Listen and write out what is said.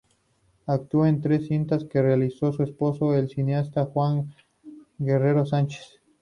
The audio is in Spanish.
Actuó en tres cintas que realizó su esposo, el cineasta Juan Guerrero Sánchez.